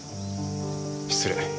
失礼。